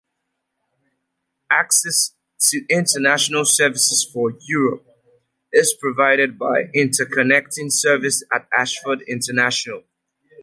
Access to international services for Europe is provided by interconnecting service at Ashford International.